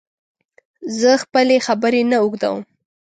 زه خپلي خبري نه اوږدوم